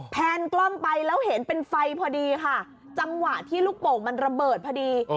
แนนกล้องไปแล้วเห็นเป็นไฟพอดีค่ะจังหวะที่ลูกโป่งมันระเบิดพอดี